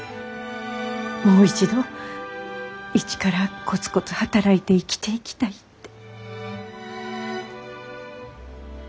もう一度一からコツコツ働いて生きていきたいって。